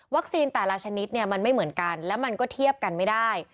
แต่ละชนิดเนี่ยมันไม่เหมือนกันแล้วมันก็เทียบกันไม่ได้